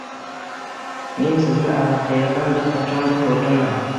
Men sizni allaqayerda, qachondir ko’rganman.